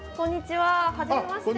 はじめまして。